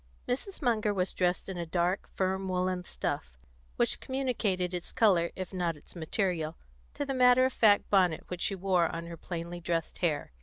Mrs. Munger was dressed in a dark, firm woollen stuff, which communicated its colour, if not its material, to the matter of fact bonnet which she wore on her plainly dressed hair.